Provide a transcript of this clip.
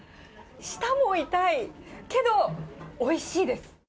舌も痛いけど、おいしいです。